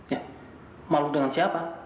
ya malu dengan siapa